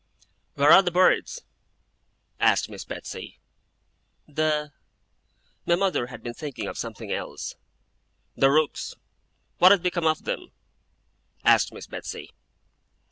'Where are the birds?' asked Miss Betsey. 'The ?' My mother had been thinking of something else. 'The rooks what has become of them?' asked Miss Betsey.